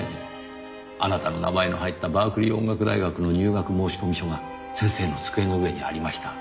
あなたの名前の入ったバークリー音楽大学の入学申込書が先生の机の上にありました。